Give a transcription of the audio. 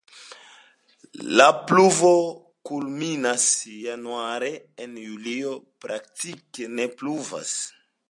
La pluvo kulminas januare, en julio praktike ne pluvas.